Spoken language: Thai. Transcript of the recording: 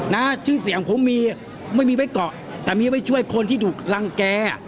นะชื่อเสียงผมมีไม่มีไว้เกาะแต่มีไว้ช่วยคนที่ถูกรังแกอ่ะ